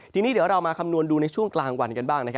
ทีนี้เดี๋ยวเรามาคำนวณดูในช่วงกลางวันกันบ้าง